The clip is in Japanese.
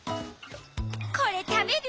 これたべる？